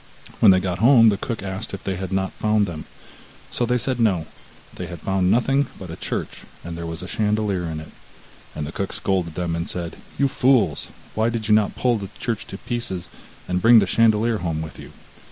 When they got home, the cook asked if they had not found them; so they said no, they had found nothing but a church, and there was a chandelier in it. And the cook scolded them and said: 'You fools! why did you not pull the church to pieces, and bring the chandelier home with you?